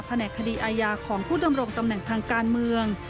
แหนกคดีอาญาของผู้ดำรงตำแหน่งทางการเมือง